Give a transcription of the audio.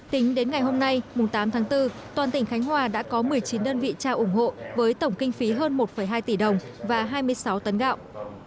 tính đến ngày hôm nay tám tháng bốn toàn tỉnh khánh hòa đã có một mươi chín đơn vị trao ủng hộ với tổng kinh phí hơn một hai tỷ đồng và hai mươi sáu tấn gạo